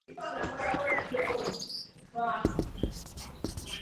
V několika případech se přímo zapojila do bojových operací.